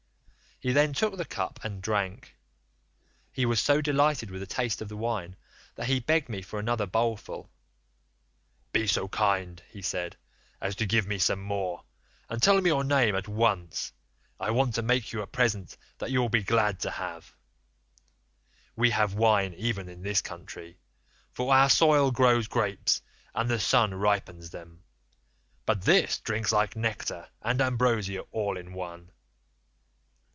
"He then took the cup and drank. He was so delighted with the taste of the wine that he begged me for another bowl full. 'Be so kind,' he said, 'as to give me some more, and tell me your name at once. I want to make you a present that you will be glad to have. We have wine even in this country, for our soil grows grapes and the sun ripens them, but this drinks like Nectar and Ambrosia all in one.